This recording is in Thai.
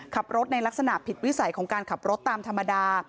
ขับรถในลักษณะผิดวิสัยของการขับรถตามธรรมดา